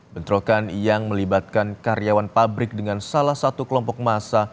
bentrokan yang melibatkan karyawan pabrik dengan salah satu kelompok massa